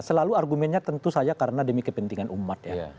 selalu argumennya tentu saja karena demi kepentingan umat ya